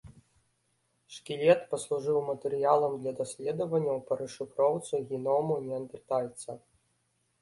Шкілет паслужыў матэрыялам для даследаванняў па расшыфроўцы геному неандэртальца.